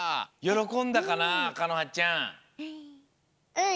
うん！